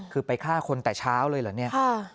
คือไปฆ่าคนแต่เช้าเลยเหรอเนี่ย